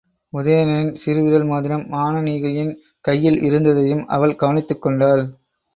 உதயணனின் சிறு விரல் மோதிரம் மானனீகையின் கையில் இருந்ததையும் அவள் கவனித்துக் கொண்டாள்.